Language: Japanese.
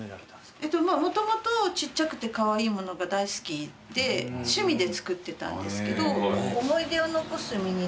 もともとちっちゃくてカワイイものが大好きで趣味で作ってたんですけど。